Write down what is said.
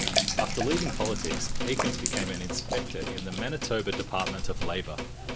After leaving politics, Aikens became an inspector in the Manitoba Department of Labor.